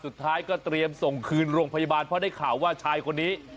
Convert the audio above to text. สุดท้ายก็เตรียมส่งคืนโรงพยาบาลเพราะได้ข่าวว่าชายคนนี้